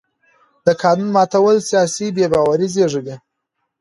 د قانون ماتول سیاسي بې باوري زېږوي